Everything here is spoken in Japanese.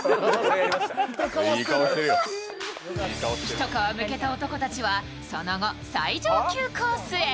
一皮むけた男たちはその後、最上級コースへ。